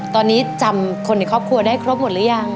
ตอนนี้จำคนในครอบครัวได้ครบหมดหรือยัง